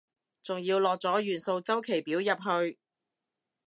仲要落咗元素週期表入去